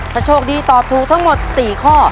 ถ้าโชคดีตอบถูกทั้งหมด๔ข้อ